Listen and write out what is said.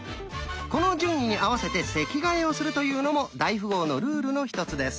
この順位に合わせて席替えをするというのも大富豪のルールの一つです。